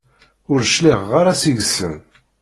Ur d-cliɛeɣ ara seg-wen.